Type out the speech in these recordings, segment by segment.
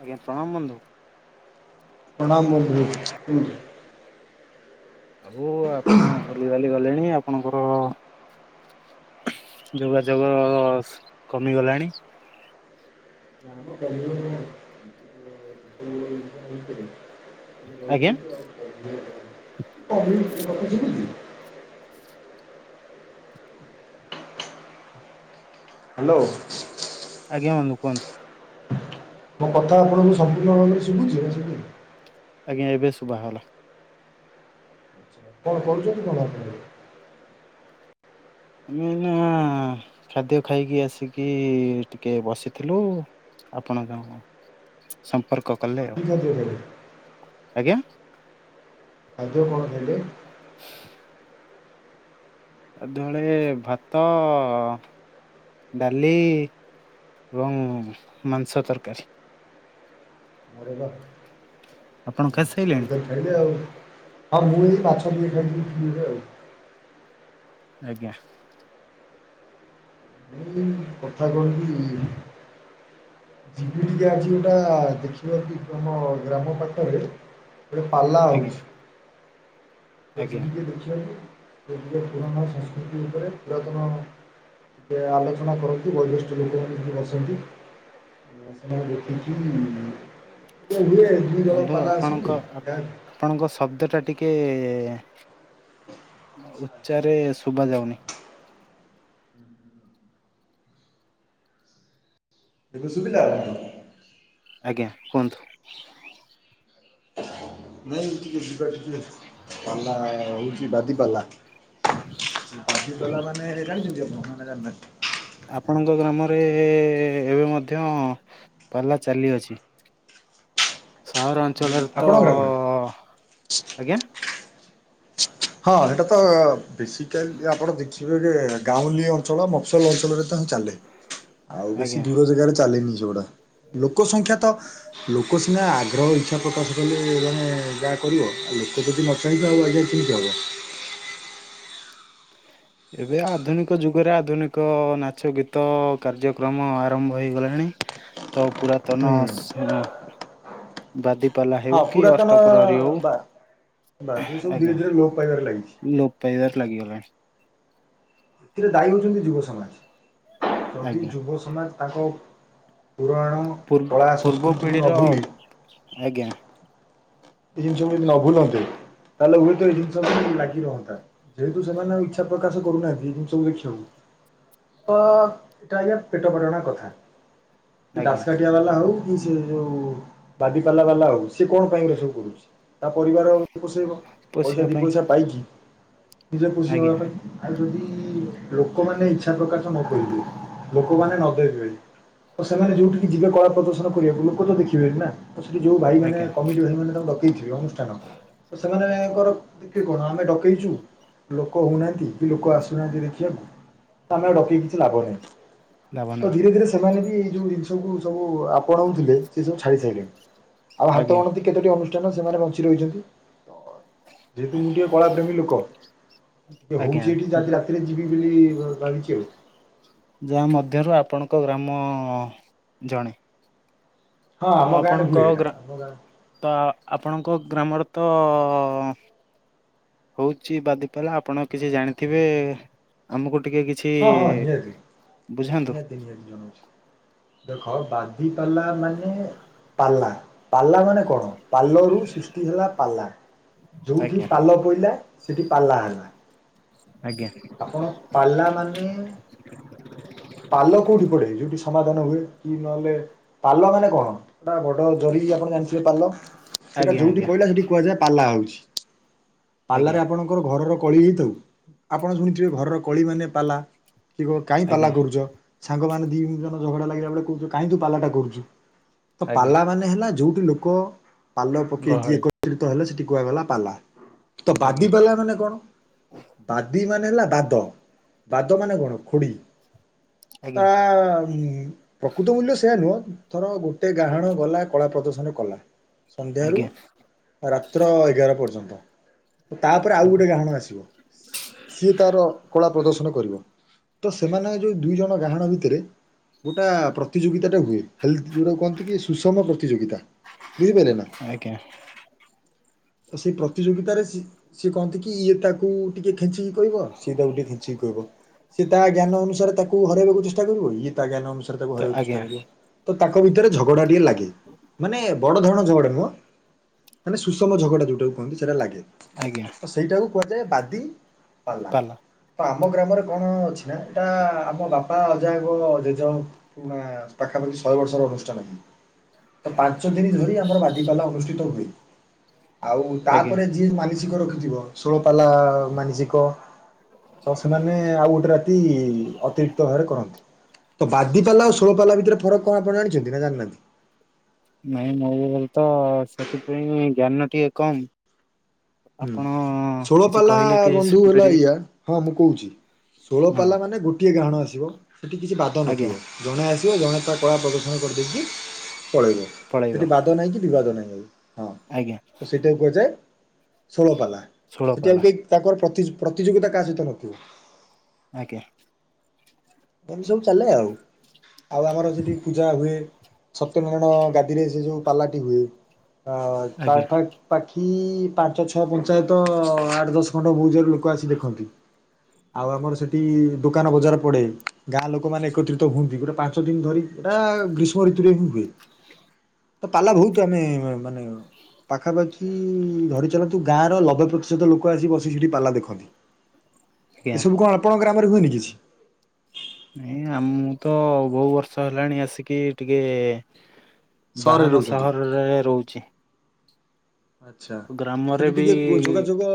ଆଜ୍ଞା ପ୍ରଣାମ ବନ୍ଧୁ। ପ୍ରଣାମ ବନ୍ଧୁ। ଆଉ ଆପଣ ବୁଲିିବାଲି ଗଲେଣି ଆ ଆପଣଙ୍କର ଯୋଗାଯୋଗ କମିଗଲାଣି। ନା ମ କମିବ କାହିଁକି [unintelligible] ଆଜ୍ଞା? ମୁଁ କହିବି କି [inaudible] ହାଲୋ। ଆଜ୍ଞା ବନ୍ଧୁ କୁହନ୍ତୁ। ମୋ କଥା ଆପଣଙ୍କୁ ସମ୍ପୂର୍ଣ୍ଣ ଭାବରେ ଶୁଭୁଚି ନା ଶୁଭୁନି। ଆଜ୍ଞା ଏବେ ଶୁଭାଗଲା। କଣ କରୁଚନ୍ତି କଣ ଆପଣ? ଏବେ? ଆମେ ଏଇନା ଖାଦ୍ୟ ଖାଇକି ଆସିକି ଟିକେ ବସିଥିଲୁ। ଆପଣ [unintelligible] ସମ୍ପର୍କ କଲେ କି ଆଉ ଖାଦ୍ୟ ଖାଇଲେ? ଆଜ୍ଞା? ଖାଦ୍ୟ କଣ ଖାଇଲେ? ଗାଧୁଆବେଳେ ଭାତ ଡାଲି ଏବଂ ମାଂସ ତରକାରୀ। ଆରେ ବା। ଆପଣ ମାଂସ ଖାଇସାଇଲେଣି ତରକାରୀ ଖାଇଲେ ଆଉ ହଁ ମୁଁ ବି ମାଛ ଟିକେ ଖାଇଥିଲି ଫ୍ରିରେ ଆଉ। ଆଜ୍ଞା। ଏଇ କଥା କଣ କି ଯିବି ଟିକେ ଆଜି ଗୋଟା ଦେଖିବାକୁ [unintelligible] ଆମ ଗ୍ରାମ ପାଖରେ ଗୋଟେ ପାଲା ଆଜ୍ଞା ହୋଉଛି। ଏ ଆଜ୍ଞା ଯିବି ଟିକେ ଦେଖିବାକୁ [unintelligible] ପୁରାଣ ସଂସ୍କୃତି ଉପରେ ପୁରାତନ ଟିକେ ଆଲୋଚନା କରନ୍ତି ବୟୋଜ୍ୟଷ୍ଠ ଲୋକମାନେ [unintelligible] ବସନ୍ତି। ଏ ସେମାନେ ଦେଖିକି ଏ ହୁଏ ଦୁଇ ଜଣ ବନ୍ଧୁ ପାଲା ଆପଣଙ୍କ ଆସନ୍ତି ଗାଁକୁ ଆପଣଙ୍କ ଶବ୍ଦଟା ଟିକେ ନା ଉଚ୍ଚାରେ ଶୁଭା ଯାଉନି। ଦେଖ ଶୁବିଲା? ଆଜ୍ଞା କୁହନ୍ତୁ। ନାଇଁ ଟିକେ ଯିବା [unintelligible] ପାଲା ହୋଉଚି ବାଦି ପାଲା। ବାଦି ପାଲା ମାନେ ଜାଣିଚନ୍ତି ଆପଣ ନା ନା ଜାଣିନାହାନ୍ତି? ଆପଣଙ୍କ ଗ୍ରାମରେ ଏବେ ମଧ୍ୟ ପାଲା ଚାଲିଅଛି। ସହର ଅଞ୍ଚଳରେ ତ ଆପଣଙ୍କ ଗ୍ରାମରେ? ଆଜ୍ଞା? ହଁ ହେଟା ତ ବେସିକାଲି ଆପଣ ଦେଖିବେ କେ ଗାଉଁଲି ଅଞ୍ଚଳ ମଫସଲ ଅଞ୍ଚଳରେ ତ ହିଁ ଚାଲେ। ଆଉ ବେଶୀ ଆଜ୍ଞା ଦୂର ଜାଗାରେ ଚାଲେନି ସେଗୁଡା ଲୋକ ସଂଖ୍ୟା ତ ଲୋକ ସିନା ଆଗ୍ରହ ଇଚ୍ଛା ପ୍ରକାଶ କଲେ ମାନେ ଯାହା କରିବ ଆଉ ଲୋକ ଯଦି ନ ଚାହିଁବେ ଆଉ ଆଜ୍ଞା କେମ ତି ହବ। ଏବେ ଆଧୁନିକ ଯୁଗରେ ଆଧୁନିକ ନାଚ ଗୀତ କାର୍ଯ୍ୟକ୍ରମ ଆରମ୍ଭ ହେଇଗଲାଣି ତ ଆଉ ପୁରାତନ ହୁଁ। ସେ ହଁ ବାଦିପାଲା ହଁ ହେଉ କି ଅଷ୍ଟ ପ୍ରହରୀ ହୋଉ ବାକି ଏଇ ସବୁ ଧୀରେ ଧୀରେ ଲୋପ ପାଇବାରେ ଲାଗିଛି। ପଇବାରେ ଲାଗିଗଲାଣି। ଏଥିରେ ଦାୟୀ ହୋଉଚନ୍ତି ଯୁବ ସମାଜ। ଯଦି ଆଜ୍ଞା। ଯୁବ ସମାଜ ତାଙ୍କ ପୁରାଣ ପୂର୍ବ କଳା ପୂର୍ବ ସଂସ୍କୃତିକୁ ନ ପିଢ଼ିର ଭୁଲି ଏ ଆଜ୍ଞା। ଏ ଜିନିଷକୁ ଯଦି ନ ଭୁଲନ୍ତେ ତାହେଲେ ହୁଏତ ଏ ଜିନିଷ ଲାଗି ରହନ୍ତା। ଯେହେ ତୁ ସେମାନ ଆଉ ଇଛା ପ୍ରକାଶ କରୁନାନ୍ତି ଏସବୁ ଦେଖିବାକୁ। ତ ଏଟା ଆଜ୍ଞା ପେଟ ପଟଣା କଥା। ସେ ଆଜ୍ଞା ଦାସ କାଟିବା ବାଲା ହଉ କି ସେ ଯୋଉ ବାଦି ପାଲା ବାଲା ହଉ ସେ କଣ ପାଇଁ ଏଗୁରା ସବୁ ତା ପରିବାର କୋଷେଇବ ପଇସା ପୋଷିବା ଦି ପାଇଁ ପଇସା ପାଇଚି। ନିଜେ ପୋସି ହବା ଆଜ୍ଞା ପାଇଁ। ଆଉ ଯଦି ଲୋକମାନେ ଇଚ୍ଛା ପ୍ରକାଶ ନ କରିବେ ଲୋକମାନେ ନଦେବେ। ଆ ସେମାନେ ଯୋଉଠିକି ଯିବେ କଳା ପ୍ରଦର୍ଶନ କରିବା ଲୋକ ତ ଦେଖିବେ ନା ସେଠି ଯୋଉ ଭାଇ ମାନେ ଆଜ୍ଞା କମିଟି ଭାଇ ମାନେ ଡକେଇଥିବେ ଅନୁଷ୍ଠାନ ତ ସେମାନେଙ୍କର ଦେଖେ କଣ ଆମେ ଡକେଇଚୁ ଲୋକ ହଉନାହାନ୍ତି କି ଲୋକ ଆସୁନାହାନ୍ତି ଦେଖିବାକୁ ଆମେ ଡକେଇ କିଛି ଲାଭ ନାହିଁ। ଲାଭ ତ ନାହିଁ ଧୀରେ ଧୀରେ ସେମାନେ ବି ଏଇ ଯୋଉ ଜିନିଷକୁୁ ସବୁ ଆପଣାଉଥିଲେ ସେ ସବୁ ଛାଡି ସାଇଲେଣି। ଆଉ ହାତ ଆଜ୍ଞା ଗଣନ୍ତି କେତୋଟି ଅନୁଷ୍ଠାନ ସେମାନେ ବଞ୍ଚି ରହିବନ୍ତି ତ। ଯେହେତୁ ମୁଁ ଟିକେ କଳା ପ୍ର୍ରେମୀ ଲୋକ ଟିକେ ଆଜ୍ଞା ଦ୍ବୋଉଚି ଆଜି ରାତି ରେ ଯିବି ବୋଲି ଭାବିଛି ଆଉ। ଯାହା ମଧ୍ୟରୁ ଆପଣଙ୍କ ଗ୍ରାମ ଜଣେ। ହଁ ତ ଆମ ଗାଁରେ ଆପଣଙ୍କ ହୁଏ, ଏଟା ଗ୍ରା ଆମ ଗାଁ। ତ ଆପଣଙ୍କ ଗ୍ରାମରେ ତ ହଉଛି ବାଦି ପାଲା ଆପଣ କିଛି ଜାଣିଥିବେ ଆମକୁ ଟିକେ କିଛି କିଛି ବୁଝାନ୍ତୁ। ଏକ୍ ଜାଟିଲି ଜଣଉଚି। ଦେଖ ବାଦିପାଲା ମାନେ ପାଲା ପାଲା ମାନେ କଣ? ପାଲରୁ ସୃଷ୍ଟି ହେଲା ପାଲା ଯୋଗଠି ଆଜ୍ଞା ପାଲ ପଇଲା ସେଇଠି ପାଲା ହେଲା। ଆଜ୍ଞା। ଆପଣ ପାଲା ମାନେ ପାଲ କୋଉଠି ପଡେ ଯୋଉଠି ସମାଧାନ ହୁଏ କି ନହେଲେ ପାଲ ମାନେ କଣ ଏଟା ବଡ ଜରି ଆପଣ ଜାଣିଥିବେ ପାଲ। ସେଇଟା ଆଜ୍ଞା ଯୋଉଠି ଆଜ୍ଞା ପଇଲା ସେଠି କୁହାଯାଏ ପାଲା ହଉଛି ପାଲାରେ ଆଜ୍ଞା ଆପଣ ଙ୍କର ଘରର କଳି ହେଇଥାଉ ଆପଣ ଶୁଣିଥିବେ ଘରର କଳି ମାନେ ପାଲା। କିଏ କହ କାହିଁ ପାଲା ଆଜ୍ଞା କରୁଚ ସାଙ୍ଗମାନୋନ ଦି ଜଣ ଝଗଡା ଲାଗିଲା ବେଳେ କୋଉଚ କାହିଁ ତୁ ପାଲାଟା କରୁଛୁ। ତ ଆଜ୍ଞା ପାଲା ମାନେ ହେଲା ଯୋଉଠି ଲୋକ ପାଲ ପକେଇକି ଗହଳି ଏକ ସେଠିତହେଲେ ସେଠି କୁହାଗଲା ପାଲା ତ ବାଦି ଆଜ୍ଞା ପାଲା ମାନେ କଣ? ବାଦି ମାନେ ହେଲା ବାଦ। ବାଦ ମାନ କଣ ଖୋଡ଼ି ତା ଆଜ୍ଞା [unintelligible] ପ୍ରକୃତ ମୂଲ୍ୟ ସେୟା ନୁହେଁ ଥର ଗୋଟେ ଗାହାଣ ଗଲା କଳା ପ୍ରଦର୍ଶନ କଲା ସନ୍ଧ୍ୟାରୁ ଆଜ୍ଞା ରାତ୍ର ଏଗାର ପର୍ଯ୍ୟନ୍ତ ତାପରେ ଆଉ ଗୋଟେ ଗାହାଣ ଆସିବ ସିଏ ତାର କଳା ପ୍ରଦର୍ଶନ କରିବ ତ ସେମାନେଙ୍କ ଯୋଉଦୁଇ ଜଣ ଗାହାଣ ଭିତରେ ଗୋଟେ ପ୍ରତିଯୋଗିତାଟା ହୁଏ। ହେଲ୍ଥ ଯୋଗଟାକୁ କୁହନ୍ତି କି ସୁଷମ ପ୍ରତିଯୋଗିତା ବୁଝିପାରିଲେ ନା ଆଜ୍ଞା। ତ ସେଇ ପ୍ରତିଯୋଗିତାରେ ସେିଏ କହନ୍ତି କି ଇଏ ତାକୁ ଟିକେ ଖେଞ୍ଚିକ କହିବ ସିଏ ତାକୁ ଟିକେ ଖେଞ୍ଚ୍ଚିକି କହିବ ବ ସେ ତା ଜ୍ଞାନ ଅନୁସାରେ ତାକୁ ହରାଇକୁ ଚେଷ୍ଟା କରିବ ଇଏ ତା ଜ୍ଞାନ ଅନୁସାରେ ତାକୁ ତ ହରାଇକୁ ଚେଷ୍ଟା ଆଜ୍ଞା କରିବ। ତ ତାଙ୍କ ଭିତରେ ଝଗଡା ଟିକେ ଲାଗେ ମାନେ ବଡ ଧରଣ ଝଗଡା ନୁହଁ ମାନେ ସୁଷମ ଝଗଡା ଯୋଉଟାକୁ କୁହନ୍ତି ସେଇଟା ଲାଗେ ଆଜ୍ଞା। ତ ସେଇଟାକୁ କୁହାଯାଏ ବାଦି ପାଲା ତ ଆମ ଗ୍ରାମରେ କଣ ଅଛି ନା ଏଟା ଆମ ବାପା ଅଜାଙ୍କ ଯେଜ ପୁଣା ପାଖାପାଖି ଶହେ ବର୍ଷର ଅନୁଷ୍ଠାନ ହିଁ। ତ ପାଞ୍ଚ ଦିନ ଧରି ଆମର ବାଦି ପାଲା ଅନୁଷ୍ଠିତ ହୁଏ। ଆଉ ଆଜ୍ଞା ତାପରେ ଯିଏ ମାନସିକ ରଖିଥିବ ଶୋଳପାଲା ମାନସିକ ତ ସେମାନେ ଆଉ ଗୋଟେ ରାତି ଅତିରିକ୍ତ ଭାବରେ କରନ୍ତି। ତ ବାଦିାଲା ଆଉ ଷୋଳପାଲା ଭିତରେ ଫକ କଣ ଆପଣ ଆଣିଛନ୍ତି ନା ଜାଣିନାହାନ୍ତି? ନାଇଁ ମୋରତ ସେଥିପାଇଁ ଜ୍ଞାନ ଟିକେ କମ୍। ହୁଁ ଆପଣ କିଛି ଷୋଳପାଲା କହିଲେ କିଛି ବନ୍ଧୁ ହେଲା ଶିଖିପାରିବି ଏଇଆା ହଁ ମୁଁ କହୁଚି। ହଁ ଷୋଳପାଲା ମାନେ ଗୋଟିଏ ଗାହାଣ ଆସିବ ସେଠି କିଛି ବାଦ ଆଜ୍ଞା ନଥିବ। ଜଣେ ଆସିବ ଜଣେ ତା କଳା ପ୍ରଦର୍ଶନ କରିଦେଇକି ପଳେଇବ। ପଳେଇବ ସେଠି ବାଦ ନାହିଁ କି ବିବାଦ ନାହିଁ ହଁ ଆଜ୍ଞା ତ ସେଇଟା କୁହାଯାଏ ଷୋଳପାଲା ଷୋଳ ସେଠି ଆଉ ପାଲା କେହି ତାଙ୍କର ପ୍ରତି ପ୍ରତିଯୋଗିତା କାହା ସହିତ ନଥିବ। ଆଜ୍ଞା। ଏମି ସବୁ ଚାଲେ ଆଉ ଆଉ ଆମର ଯଦି ପୂଜା ହୁଏ। ସତ୍ୟନାରାୟଣ ଗାଦିରେ ସେ ଯୋଉ ପାଲାଟି ହୁଏ ତାଆ ଆଜ୍ଞା ପା ପାଖି ପାଞ୍ଚ ଛଅ ପଞ୍ଚାୟତ ଆଠ ଦଶ ଖଣ୍ଡ ମୋଉଜାରୁ ଲୋକ ଲୋକ ଆସି ଦେଖନ୍ତି ଆଉ ଆମର ସେଠି ଦୋକାନ ବଜାର ପଡ଼େ। ଗାଁ ଲୋକମାନେ ଏକତ୍ରିତ ହୁଅନ୍ତି ଗୋଟେ ପାଞ୍ଚ ଦିନ ଧରି ଏଟା ଗ୍ରୀଷ୍ମ ଋତୁରେ ହିଁ ହୁଏ। ତ ପାଲା ବହୁତୁ ଆମେ ମାନେ ପାଖାପାଖି ଧରିଚାଲନ୍ତୁ ଗାଁର ନବେ ପ୍ରତିଶତ ଲୋକ ଆସି ବସି ସେଠି ପାଲା ଦେଖନ୍ତି। ଆଜ୍ଞା ଏ ସବୁ କଣ ଆପଣଙ୍କ ଗ୍ରାମରେ ହୁଏନି କିଛି? ନାଇଁ ଆ ମୁଁ ତ ବହୁବ ବର୍ଷ ହେଲାଣି ଆସିକି ଟିକେ ସହରରେ ବାହହାର ରହୁଛନ୍ତି? ସହର ଜାଗାରେ ରହୁଛି। ଆଛା ଗ୍ରାମରେ ସେଠି ବି ଟିକେ ଯୋଗାଯୋଗ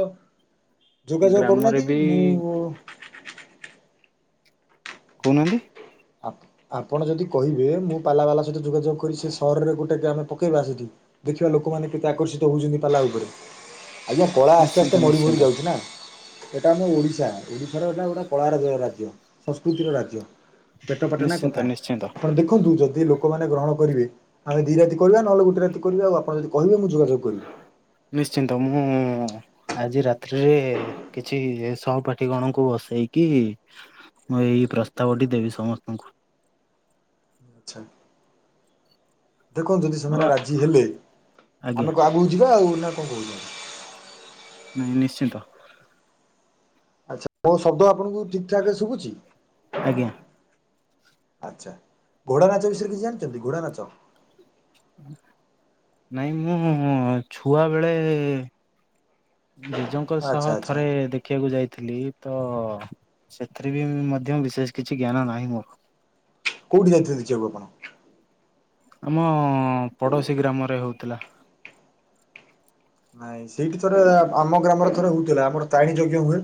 ଯୋଗାଯୋଗ ଗ୍ରାମରେ କରୁନାହାନ୍ତି ବି ମୁଁ କହୁନାହାନ୍ତି? ଆପଣ ଯଦି କହିବେ ମୁଁ ପାଲାବାଲା ସହିତ ଯୋଗାଯୋଗ କରି ସେ ସହରରେ ଗୋଟେ ଆମେ ପକେଇବା ଆ ସେଠି। ଦେଖିବା ଲୋକମାନେ କେତେ ଆକର୍ଷିତ ହଉଛନ୍ତି ପାଲା ଉପରେ। ଆଜ୍ଞା କଳା ଆସ୍ତେ ନିଶ୍ଚିନ୍ତ ଆସ୍ତେ ମରି ମରି ନିଶ୍ଚିନ୍ତ ଯାଉଛି ନା। ଏଇଟା ଆମ ଓଡ଼ିଶା ଓଡ଼ିଶାର ଏଇଟା ଗୋଟେ କଳା ରାଜ୍ୟ, ସଂସ୍କୃତିର ରାଜ୍ୟ। ପେଟ ପାଟଣା ନିଶ୍ଚିନ୍ତ କଥା ନିଶ୍ଚିନ୍ତ ଆପଣ ଦେଖନ୍ତୁ ଯଦି ଲ ଲୋକମାନେ ଗ୍ରହଣ କରିବେ ଆମେ ଦିଇ ରାତି କରିବା ନହେଲେ ଗୋଟେ ରାତି କରିବା ଆଉ, ଆପଣ ଯଦି କିବେ ମୁଁ ଯୋଗାଯୋଗ କରିବି। ନିଶ୍ଚିନ୍ତ ମୁଁ ଆଜି ରାତିିରେ କିଛି ସହପାଠୀ ଗଣଙ୍କୁ ବସେଇକି ମୁଁ ଏଇ ପ୍ରସ୍ତାବ ଟି ଦେବି ସମସ୍ତଙ୍କୁ। ଆଛା। ଦେଖନ୍ତୁ ଯଦି ସେମାନେ ବା ରାଜି ହେଲେ ଆଜ୍ଞା ଆମେକ ଆଗକୁ ଯିବା ଆଉ ନା କଣ କହୁଛ? ନାଇଁ ନିଶ୍ଚିନ୍ତ। ଆଛା ମୋ ଶବ୍ଦ ଆପଣଙ୍କୁ ଠିକ୍ ଠାକ୍ ରେ ଶୁଭୁଛି? ଆଜ୍ଞା ଆଚ୍ଛା ଘୋଡ଼ା ନାଚ ବିଷୟରେ କିଛି ଜାଣିଚନ୍ତି ଘୋଡ଼ା ନାଚ? ନାଇଁ ମୁଁ ଛୁଆ ବେଳେ ଜେଜେଙ୍କ ସହ ଆଚ୍ଛା ଆଚ୍ଛା ଥରେ ଦେଖ ଦେଖିବାକୁ ଯାଇଥିଲି ତ ସେଥିରେ ବି ମଧ୍ୟ ବିଶେଷ କିଛି ଜ୍ଞାନ ନାହିଁ ମୋର। କୋଉଠି ଯାଇଥିଲେ ଦେଖିବାକୁ ଆପଣ? ଆମ ପଡୋଶୀ ଗ୍ରାମରେ ହଉଥିଲା। ନାଇଁ ସେଇଠି ଥରେ ଆମ ଗ୍ରାମରେ ଥରେ ହଉଥିଲା, ଆମର ତାରିଣୀ ଯଜ୍ଞ ହୁଏ।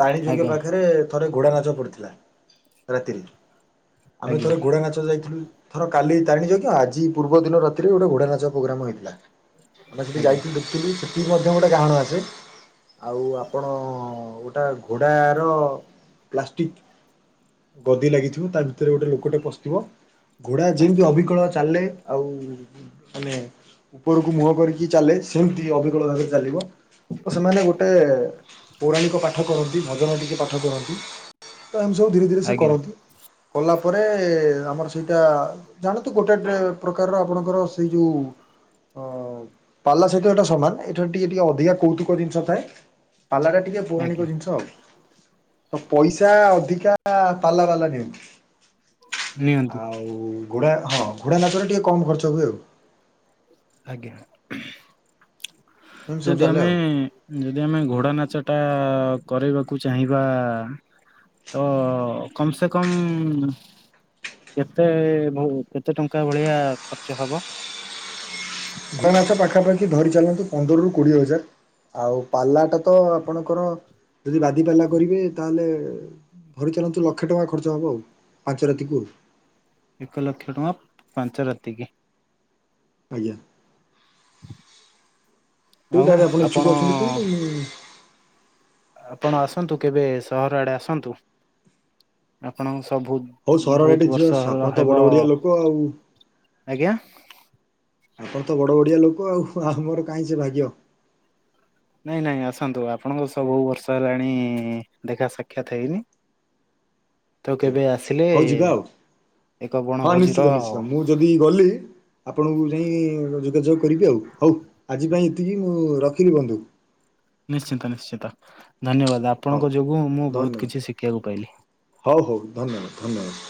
ତାରିଣି ଯଜ୍ଞ ଆଜ୍ଞା ପାଖରେ ଥରେ ଘୋଡ଼ା ନାଚ ପଡ଼ିଥିଲା ରାତିରେ। ଆମେ ଆଜ୍ଞା ଥରେ ଘୋଡ଼ା ନାଚ ଯାଇଥିଲୁ। ଧର କାଲି ତାରିଣୀ ଯଞ ଆଜି ପୂର୍ବ ଦିନ ରାତିରେ ଗୋଟେ ଘୋଡ଼ା ନାଚ ପ୍ରୋଗ୍ରାମ ହେଇଥିଲା, ଆମେ ସେଠି ଯାଇ ଆଜ୍ଞା ସେଠି ମଧ୍ୟ ଗୋଟେ ଗାହାଣ ଆସେ। ଆଉ ଆପଣ ଗୋଟେ ଘୋଡ଼ାର ପ୍ଲାଷ୍ଟିକ୍ ଗଦି ଲାଗିଥିବ ତା ଭିତରେ ଗୋଟେ ଲୋକଟେ ପସିଥିବ। ଘୋଡ଼ା ଯେମିତି ଅବିକଳ ଚାଲିଲେ ଆଉ ମାନେ ଉପରକୁ ମୁହଁ କରିକି ଚାଲେ, ସେମିତି ଅବିକଳ ଭାବରେ ଚାଲିବ। ତ ସେମାନେ ଗୋଟେ ପୌରାଣିକ ପାଠ କରନ୍ତି, ଭଜନୈତିକ ପାଠ ପାଠ କରନ୍ତୀ ତ ଏମତି ସବୁ ଧୀରେ ଧୀରେ ସେ ଆଜ୍ଞା କରନ୍ତି। କଲା ପରେ ଆମର ସେଇଟା। ଜାଣନ୍ତୁ ଗୋଟେ ପ୍ରକାରର ଆପଣଙ୍କର ସେଇ ଯୋଉ ଅ ପାଲା ସହିତ ଏଇଟା ସମାନ, ଏଠାରେ ଟିକେ ଟିକେ ଅଧିକା କୌତୁକ ଜିନିଷ ଥାଏ। ପାଲାଟା ଟିକେ ପୌରାଣିକ ଆଜ୍ଞା ଜିନିଷ ଆଉ ତ ପଇସା ଅଧିକା ପାଲା ବାଲା ନିଅନ୍ତୀ ନିଅନ୍ତୁ ଆଉ। ଆଉ ଘୋଡ଼ା ହଁ ଘୋଡ଼ା ନାଚରେ ଟିକେ କମ୍ ଖର୍ଚ୍ଚ ହୁଏ ଆଉ। ଆଜ୍ଞା, ଏମିତି ସବୁ ଯଦି ଚାଲେ ଆମେ ଆଉ। ଯଦି ଆମେ ଘୋଡ଼ା ନାଚ ଟା କରେଇବାକୁ ଚାହିଁବା। ତ କମ ସେ କମ କେତେ [unintelligible] କେତେ ଟଙ୍କା ଭଳିଆ ଖର୍ଚ୍ଚ ହବ। ଘୋଡା ନାଚ ପାଖାପାଖି ଧରି ଚାଲନ୍ତୁ ପନ୍ଦରରୁ କୋଡିଏ ହଜାର। ଆଉ ପାଲାଟା ତ ଆପଣଙ୍କର ଯଦି ବାଦି ପାଲା କରିବେ ତାହେଲେ। ଧରି ଚାଲନ୍ତୁ ଲକ୍ଷେ ଟଙ୍କା ଖର୍ଚ୍ଚ ହବ ଆଉ ପାଞ୍ଚ ରାତିକୁ ଆଉ। ଏକ ଲକ୍ଷ ଟଙ୍କା ପାଞ୍ଚ ରାତିକି। ଆଜ୍ଞା। କେଉଁଟାରେ ଆପଣ ଇଛୁକ ଅଛନ୍ତି କୁହନ୍ତୁ? ଆପଣ ଆସନ୍ତୁ କେବେ ସହର ଆଡେ ଆସନ୍ତୁ, ଆପଣଙ୍କୁ ସବୁ ହଉ ସହର ବହୁତ ବାଟେ ବର୍ଷ ଯିବା ହେଲା ସାପ ତ ହେବ ବଡ ବଡିଆ ଲୋକ ଆଉ। ଆଜ୍ଞା ଆପଣ ତ ବଡ଼ ବଡ଼ିଆ ଲୋକ ଆଉ, ଆଉ ଆମର କାହିଁ ସେ ଭାଗ୍ୟ। ନାଇଁ, ନାଇଁ ଆସନ୍ତୁ, ଆପଣଙ୍କ ସବୁ ବର୍ଷ ହେଲାଣି ଦେଖା ସାକ୍ଷାତ ହେଇନି। ତ ଆଚ୍ଛା କେବେ ଆସିଲେ ହଉ ଯିବା ଆଉ ଏକ ହଁ ବଣଭୋଜିର ନିଶ୍ଚିତ ନିଶ୍ଚିତ ମୁଁ ଯଦି ଗଲି। ଆପଣଙ୍କୁ ଯାଇଁ ଯୋଗାଯୋଗ କରିବି ଆଉ ହଉ ଆଜି ପାଇଁ ଏତିକି ମୁଁ ରଖିଲି ବନ୍ଧୁ। ନିଶ୍ଚିନ୍ତ ନିଶ୍ଚିନ୍ତ ଧନ୍ୟବାଦ ହଉ ଆପଣଙ୍କ ଯୋଗୁଁ ମୁଁ ବହୁତ୍ ଧନ୍ୟବାଦ କିଛି ଶିଖିବାକୁ ପାଇଲି। ହଉ ହଉ ଧନ୍ୟବାଦ୍ ଧନ୍ୟବାଦ୍।